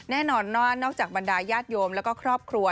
แน่นอนว่านอกจากบรรดาญาติโยมแล้วก็ครอบครัว